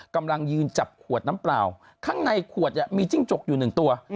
กำลังยืนจับขวดน้ำเปล่าข้างในขวดเนี่ยมีจิ้งจกอยู่หนึ่งตัว